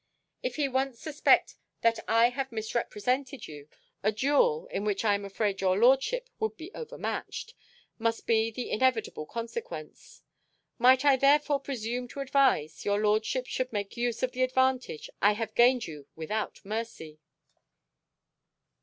If he once suspect that I have misrepresented you, a duel, in which I am afraid your lordship would be overmatched, must be the inevitable consequence. Might I therefore presume to advise, your lordship should make use of the advantage I have gained you without mercy."